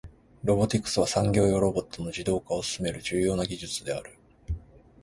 ロボティクスは、産業用ロボットの自動化を進める重要な技術である。